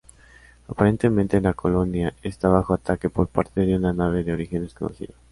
Aparentemente la colonia está bajo ataque por parte de una nave de origen desconocido.